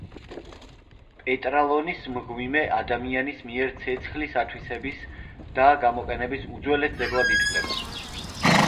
პეტრალონის მღვიმე ადამიანის მიერ ცეცხლის ათვისების და გამოყენების უძველეს ძეგლად ითვლება.